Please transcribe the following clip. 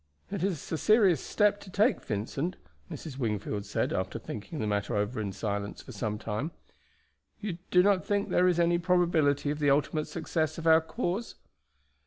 "It is a serious step to take, Vincent," Mrs. Wingfield said, after thinking the matter over in silence for some time. "You do not think there is any probability of the ultimate success of our cause?"